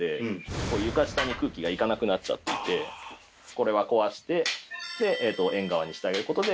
これは壊して縁側にしてあげることで。